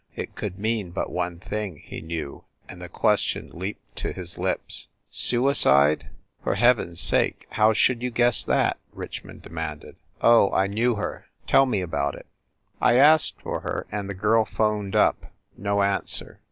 It could mean but one thing, he knew, and the question leaped to his lips. "Suicide?" "For Heaven s sake, how should you guess that?" Richmond demanded. "Oh, I knew her. Tell me about it." "I asked for her, and the girl phoned up. No answer.